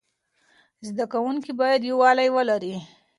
زده کوونکي باید یووالی ولري.